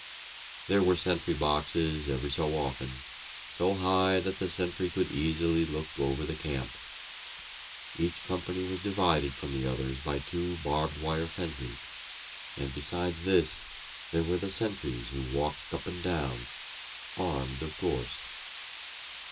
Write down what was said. There were sentry boxes ever so often, so high that the sentry could easily look over the camp. Each company was divided from the others by two barbed wire fences, and besides this there were the sentries who walked up and down, armed, of course.